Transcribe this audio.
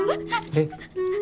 えっ？